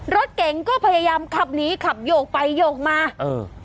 รถเก๋งก็พยายามขับหนีขับโยกไปโยกมาเออ